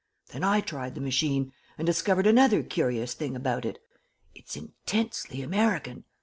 Then I tried the machine, and discovered another curious thing about it. It's intensely American.